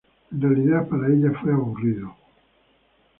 En realidad, para ella fue aburrido.